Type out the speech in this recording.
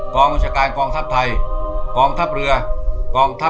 ประชาชนก็ต้องเป็นคนเลือกมา